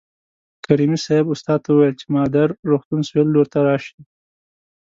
کریمي صیب استاد ته وویل چې مادر روغتون سویل لور ته راشئ.